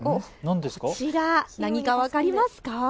こちら、何か分かりますか。